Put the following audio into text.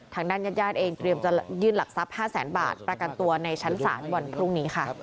ทางด้านญาติญาติเองเตรียมจะยื่นหลักทรัพย์๕แสนบาทประกันตัวในชั้นศาลวันพรุ่งนี้ค่ะ